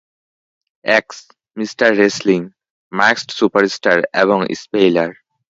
X, মিঃ wrestling, masked superstar এবং স্পেইলার।